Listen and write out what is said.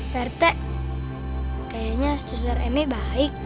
pertek kayaknya stuser eme baik